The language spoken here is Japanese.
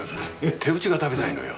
手打ちが食べたいのよ。